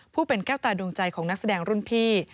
เป็นแก้วตาดวงใจของนักแสดงรุ่นพี่